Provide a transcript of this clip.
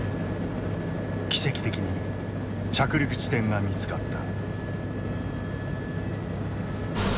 奇跡的に着陸地点が見つかった。